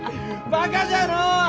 バカじゃのう！